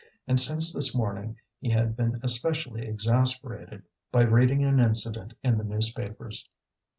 And since this morning he had been especially exasperated by reading an incident in the newspapers.